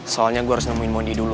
soalnya gue harus nemuin mondi dulu